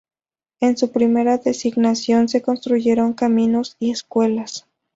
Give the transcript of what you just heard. En su primera designación se construyeron caminos y escuelas.